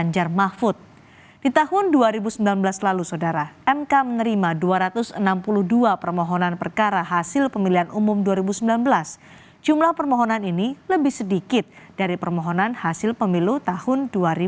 jumlah permohonan ini lebih sedikit dari permohonan hasil pemilu tahun dua ribu dua puluh empat